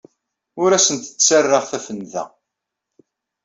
Ur asen-ttarraɣ tafenda.